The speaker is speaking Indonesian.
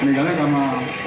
meninggalnya sama agak